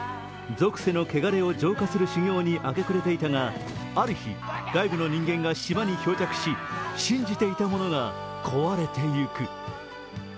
俗世の汚れを浄化する修行に明け暮れていたがある日、外部の人間が島に漂着し信じていたものが壊れてゆく。